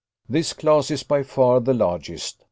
This class is by far the largest.